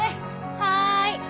はい。